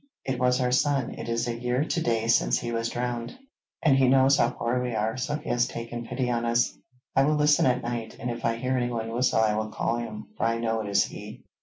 'It was our son; it is a year to day since he was drowned, and he knows how poor we are, so he has taken pity on us. I will listen at night, and if I hear anyone whistle I will call him; for I know it is he.'